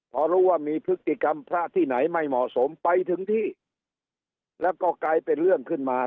พอรู้ว่ามีพฤติกรรมพระที่ไหนไม่เหมาะสมไปถึงที่แล้วก็กลายเป็นเรื่องขึ้นมา